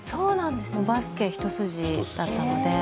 バスケ一筋だったので。